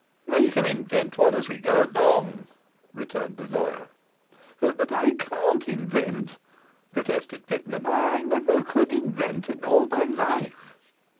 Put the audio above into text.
'We can invent one as we go along,' returned the lawyer. 'But I can't invent,' protested Pitman. 'I never could invent in all my life.